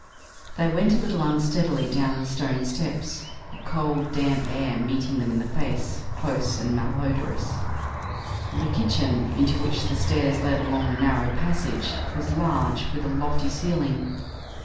They went a little unsteadily down the stone steps, a cold, damp air meeting them in the face, close and mal odorous. The kitchen, into which the stairs led along a narrow passage, was large, with a lofty ceiling.